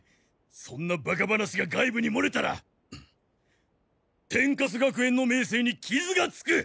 そんなバカ話が外部に漏れたら天カス学園の名声に傷がつく！